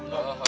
harus juga pak